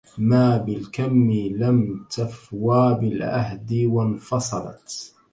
ما بالكم لم تفوا بالعهد وانفصلت